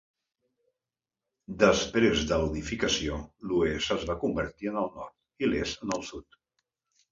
Després de la unificació, l'oest es va convertir en el nord i l'est en el sud.